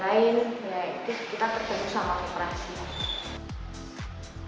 ya itu kita terbantu sama koperasinya